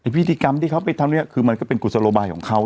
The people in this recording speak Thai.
พิธีกรรมที่เขาไปทำเนี่ยคือมันก็เป็นกุศโลบายของเขา